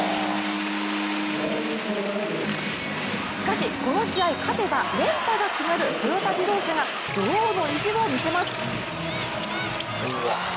しかし、この試合勝てば連覇が決まるトヨタ自動車が女王の意地を見せます。